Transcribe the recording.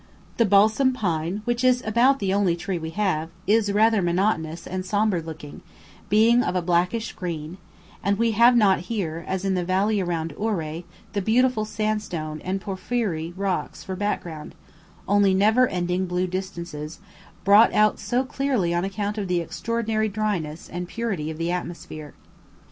The balsam pine, which is about the only tree we have, is rather monotonous and sombre looking, being of a blackish green; and we have not here, as in the valley around Ouray, the beautiful sandstone and porphyry rocks for background; only never ending blue distances, brought out so clearly on account of the extraordinary dryness and purity of the atmosphere.